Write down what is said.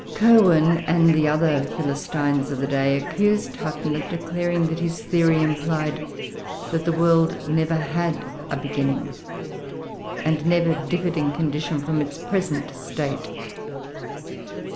] Kirwan, and the other Philistines of the day, accused Hutton of declaring that his theory implied that the world never had a beginning, and never differed in condition from its present state.